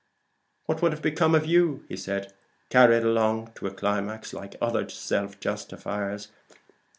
"What would have become of you?" said Jermyn, carried along a climax, like other self justifiers.